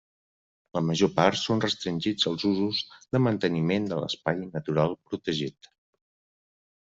La major part són restringits als usos de manteniment de l'espai natural protegit.